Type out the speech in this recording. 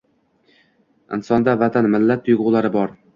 Insonda Vatan, millat, tuygʻulari bor